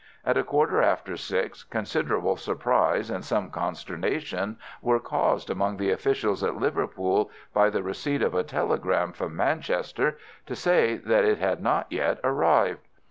At a quarter after six considerable surprise and some consternation were caused amongst the officials at Liverpool by the receipt of a telegram from Manchester to say that it had not yet arrived.